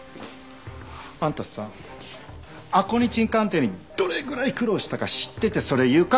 あんたさアコニチン鑑定にどれぐらい苦労したか知っててそれ言うか？